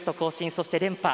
そして、連覇。